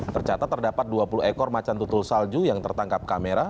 tercatat terdapat dua puluh ekor macan tutul salju yang tertangkap kamera